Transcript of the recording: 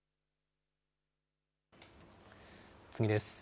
次です。